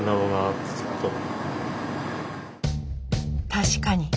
確かに。